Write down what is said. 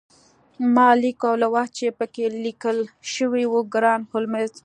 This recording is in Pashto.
ما لیک ولوست چې پکې لیکل شوي وو ګران هولمز